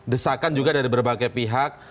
desakan juga dari berbagai pihak